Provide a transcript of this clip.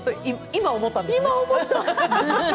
今思った！